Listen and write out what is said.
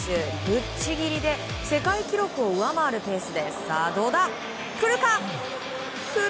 ぶっちぎりで世界記録を上回るペースです。